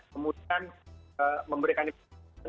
kemudian memberikan informasi